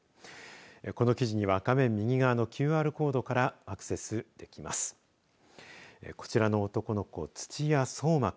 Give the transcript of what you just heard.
この記事には画面右側のＱＲコードからアクセスできます。